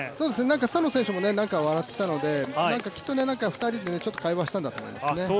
スタノ選手も何か笑っていたので、きっと２人でちょっと会話したんだと思いますね。